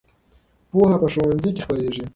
پوهه په ښوونځي کې خپرېږي.